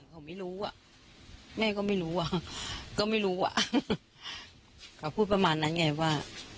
เขาไม่รู้อะแม่เขาก็ไม่รู้พูดประมาณนั้นไงว่า